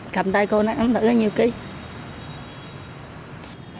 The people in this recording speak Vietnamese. cầm tay cô nắm thử là bao nhiêu kg